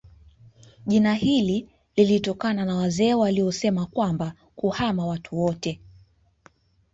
Jina hili lilitokana na wazee waliosema kwamba kuhama watu wote